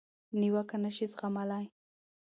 نیوکه نشي زغملای.